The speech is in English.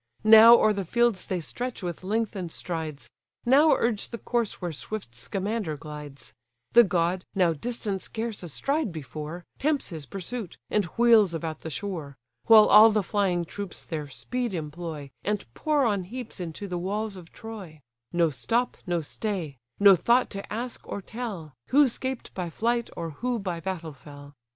Now o'er the fields they stretch with lengthen'd strides, Now urge the course where swift Scamander glides: The god, now distant scarce a stride before, Tempts his pursuit, and wheels about the shore; While all the flying troops their speed employ, And pour on heaps into the walls of Troy: No stop, no stay; no thought to ask, or tell, Who 'scaped by flight, or who by battle fell.